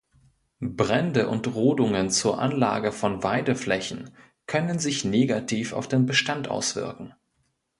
Brände und Rodungen zur Anlage von Weideflächen können sich negativ auf den Bestand auswirken.